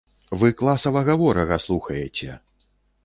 Вы класавага ворага слухаеце!